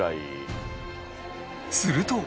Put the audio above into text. すると